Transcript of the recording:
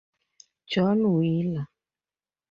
John Wheeler.